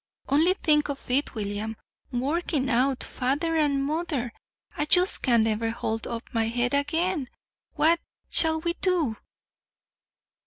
Only think of it, William working out father and mother! I just can't ever hold up my head again! What shall we do?"